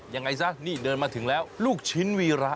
ยังไงซะนี่เดินมาถึงแล้วลูกชิ้นวีระ